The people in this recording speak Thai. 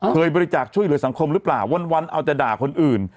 เคยบริจาคช่วยหรือสังคมหรือเปล่าวันจะด่าคนอื่น